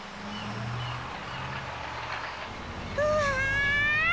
うわ！